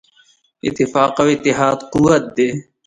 اتفاق او اتحاد قوت دی.